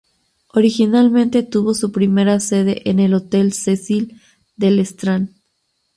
Originalmente tuvo su primera sede en el Hotel Cecil del Strand.